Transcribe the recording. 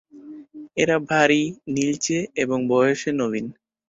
এরা ভারী, নীলচে এবং বয়সে নবীন।